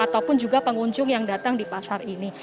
dan juga pengunjung yang datang di pasar ini